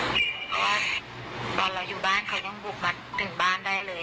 เพราะว่าตอนเราอยู่บ้านเขาต้องบุกมาถึงบ้านได้เลย